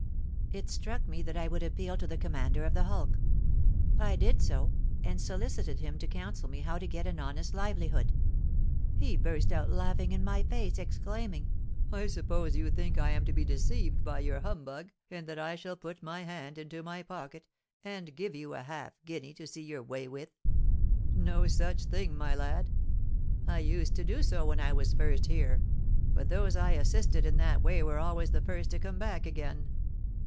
It struck me that I would appeal to the commander of the hulk. I did so, and solicited him to counsel me how to get an honest livelihood. He burst out laughing in my face, exclaiming, 'I suppose you think I am to be deceived by your humbug, and that I shall put my hand into my pocket and give you half a guinea to see your way with. No such thing, my lad! I used to do so when I was first here; but those I assisted in that way were always the first to come back again.'